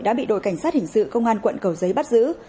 đã bị đội cảnh sát hình sự công an quận cầu giấy bắt giữ